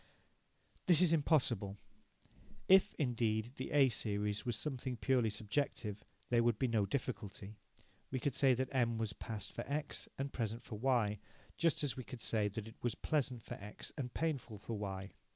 This is impossible. If, indeed, the A series was something purely subjective, there would be no difficulty. We could say that M was past for X and present for Y, just as we could say that it was pleasant for X and painful for Y.